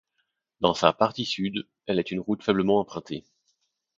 Dans sa partie sud, elle est une route faiblement empruntée.